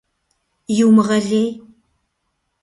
Иумыгъэлей!